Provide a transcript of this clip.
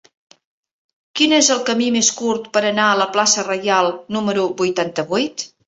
Quin és el camí més curt per anar a la plaça Reial número vuitanta-vuit?